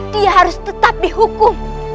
dia harus tetap dihukum